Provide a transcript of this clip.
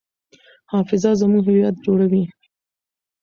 حافظه زموږ هویت جوړوي.